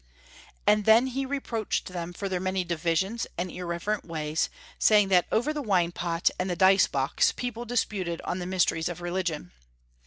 " And then he reproached them for their many divisions and irreverent ways, sapng that over the Avine pot and the dice box people disputed on the mysteries of religion.